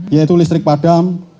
yaitu listrik padam